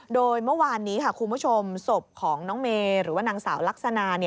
โดยเมื่อวานนี้ค่ะคุณผู้ชมศพของน้องเมย์หรือว่านางสาวลักษณะ